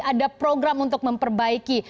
ada program untuk memperbaiki